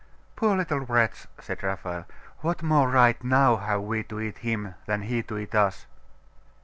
'Poor little wretch!' said Raphael. 'What more right, now, have we to eat him than he to eat us?